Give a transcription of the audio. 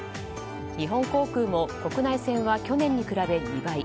日本航空も国内線は去年に比べ２倍。